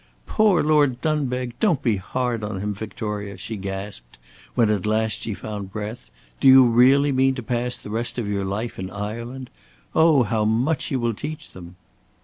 "Poor Lord Dunbeg! don't be hard on him, Victoria!" she gasped when at last she found breath; "do you really mean to pass the rest of your life in Ireland? Oh, how much you will teach them!"